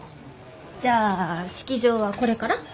じゃあ式場はこれから？